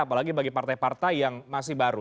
apalagi bagi partai partai yang masih baru